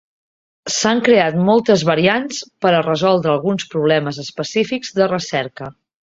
S'han creat moltes variants per a resoldre alguns problemes específics de recerca.